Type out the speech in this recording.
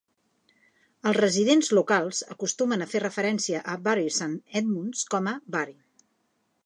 Els residents locals acostumen a fer referència a Bury Saint Edmunds com a "Bury".